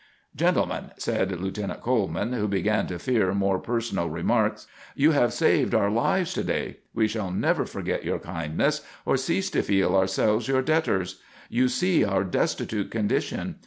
"Gentlemen," said Lieutenant Coleman, who began to fear more personal remarks, "you have saved our lives to day. We shall never forget your kindness, or cease to feel ourselves your debtors. You see our destitute condition.